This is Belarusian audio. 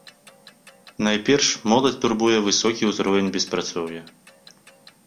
Найперш моладзь турбуе высокі ўзровень беспрацоўя.